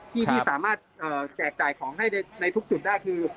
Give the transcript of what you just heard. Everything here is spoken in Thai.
ที่สามารถแจกจ่ายของให้ในทุกจุดได้คือ